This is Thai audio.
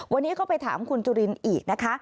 วันนี้ก็ไปถามคุณจุลินอีกนะคะ